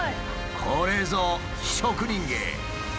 これぞ職人芸！